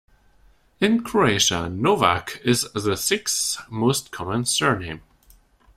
In Croatia, Novak is the sixth most common surname.